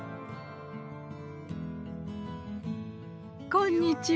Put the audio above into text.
こんにちは。